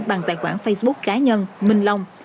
bằng tài khoản facebook cá nhân minh long